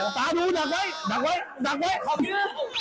ตาหนูดักไว้